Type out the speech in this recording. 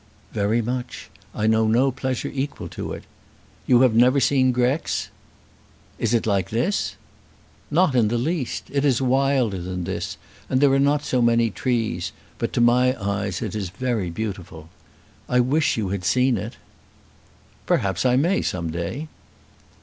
"Very much. I know no pleasure equal to it. You have never seen Grex?" "Is it like this?" "Not in the least. It is wilder than this, and there are not so many trees; but to my eyes it is very beautiful. I wish you had seen it." "Perhaps I may some day."